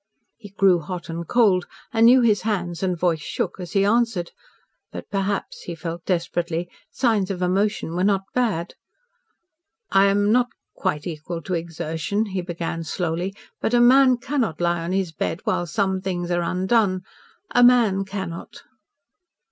He grew hot and cold and knew his hands and voice shook, as he answered. But, perhaps he felt desperately signs of emotion were not bad. "I am not quite equal to exertion," he began slowly. "But a man cannot lie on his bed while some things are undone a MAN cannot."